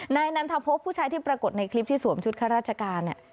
นันทพบผู้ชายที่ปรากฏในคลิปที่สวมชุดข้าราชการเนี่ย